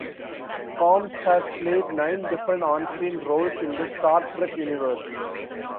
Combs has played nine different onscreen roles in the "Star Trek" universe.